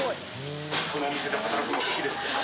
このお店で働くの好きですか？